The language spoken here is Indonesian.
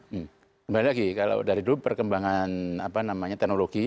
kembali lagi kalau dari dulu perkembangan apa namanya teknologi